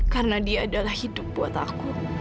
karena dia adalah hidup buat aku